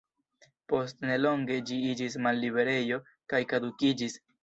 Post nelonge ĝi iĝis malliberejo kaj kadukiĝis.